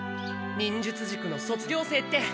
忍術塾の卒業生って。